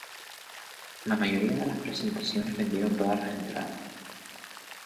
La mayoría de las presentaciones vendieron todas las entradas.